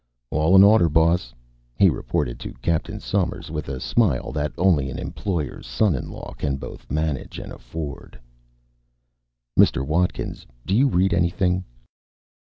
"All in order, Boss," he reported to Captain Somers, with the smile that only an employer's son in law can both manage and afford. "Mr. Watkins, do you read anything?"